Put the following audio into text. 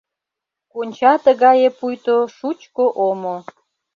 Конча тыгае пуйто шучко омо.